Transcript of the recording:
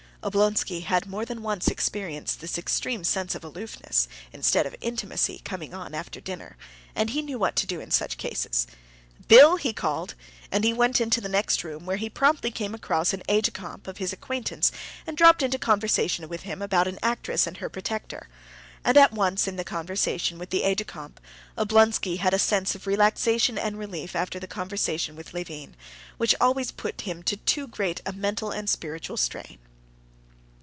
Oblonsky had more than once experienced this extreme sense of aloofness, instead of intimacy, coming on after dinner, and he knew what to do in such cases. "Bill!" he called, and he went into the next room where he promptly came across an aide de camp of his acquaintance and dropped into conversation with him about an actress and her protector. And at once in the conversation with the aide de camp Oblonsky had a sense of relaxation and relief after the conversation with Levin, which always put him to too great a mental and spiritual strain.